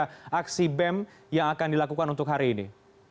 bagaimana aksi bem yang akan dilakukan untuk hari ini